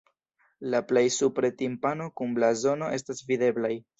La plej supre timpano kun blazono estas videblaj.